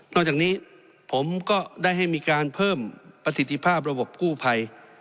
จากนี้ผมก็ได้ให้มีการเพิ่มประสิทธิภาพระบบกู้ภัย